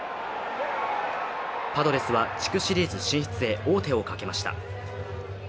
パドレスは地区シリーズ進出へ王手をかけました。